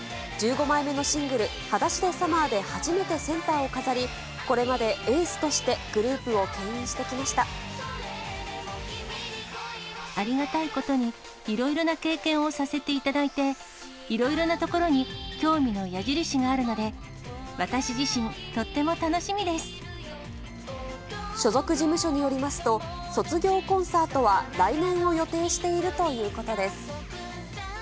１５枚目のシングル、裸足でサマーで初めてセンターを飾り、これまでエースとしてグルありがたいことに、いろいろな経験をさせていただいて、いろいろなところに興味の矢印があるので、私自身、とっても楽し所属事務所によりますと、卒業コンサートは来年を予定しているということです。